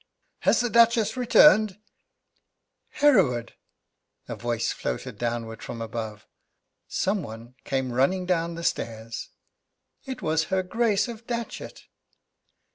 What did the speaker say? "Has the Duchess returned?" "Hereward!" A voice floated downwards from above. Some one came running down the stairs. It was her Grace of Datchet.